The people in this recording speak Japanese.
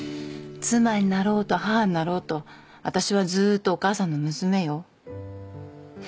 妻になろうと母になろうとわたしはずっとお母さんの娘よ。